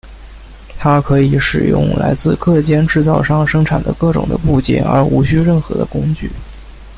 它可以交换使用来自各间制造商生产各种的部件而且无需任何的工具。